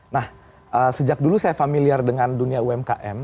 nah sejak dulu saya familiar dengan dunia umkm